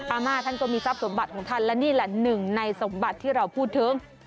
อาม่าท่านก็มีทรัพย์สมบัติของท่านและนี่แหละหนึ่งในสมบัติที่เราพูดถึง